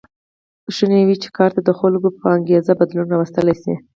شونې نه وه چې کار ته د خلکو په انګېزه بدلون راوستل شي.